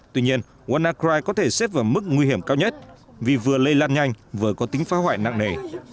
tuy nhiên wanacry có thể xếp vào mức nguy hiểm cao nhất vì vừa lây lan nhanh vừa có tính phá hoại nặng nề